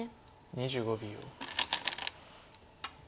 ２５秒。